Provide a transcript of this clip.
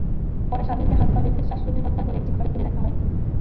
পরে স্বাধীনকে হাত-পা বেঁধে শ্বাসরোধে হত্যা করে একটি ঘরে ফেলে রাখা হয়।